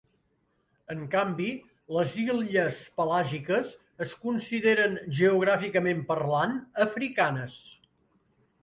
En canvi, les illes Pelàgiques es consideren geogràficament parlant africanes.